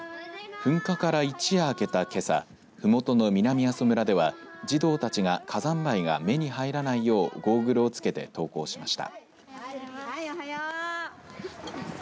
噴火から一夜明けたけさふもとの南阿蘇村では児童たちが火山灰が目に入らないようゴーグルをつけて登校しました。